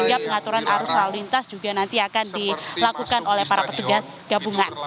sehingga pengaturan arus lalu lintas juga nanti akan dilakukan oleh para petugas gabungan